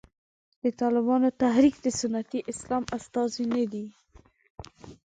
د طالبانو تحریک د سنتي اسلام استازی نه دی.